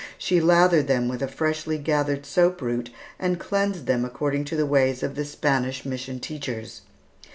She lathered them with a freshly gathered soap root and cleansed them according to the ways of the Spanish mission teachers.